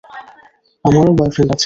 আমারও বয়ফ্রেন্ড আছে।